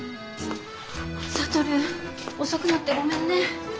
智遅くなってごめんね。